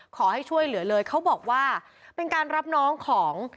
ขอให้ช่วยเหลือเลยเขาบอกว่าเป็นการรับน้องของ